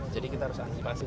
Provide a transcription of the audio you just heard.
jadi kita harus antisipasi